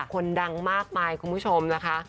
คนดังมากมายคุณผู้ชมนะคะ